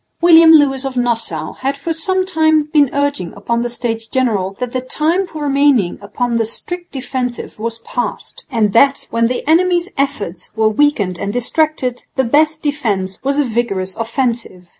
William Lewis of Nassau had for sometime been urging upon the States General that the time for remaining upon the strict defensive was past, and that, when the enemy's efforts were weakened and distracted, the best defence was a vigorous offensive.